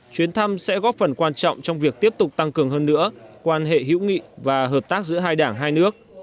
chuyến thăm sẽ góp phần quan trọng trong việc tiếp tục tăng cường hơn nữa quan hệ hữu nghị và hợp tác giữa hai đảng hai nước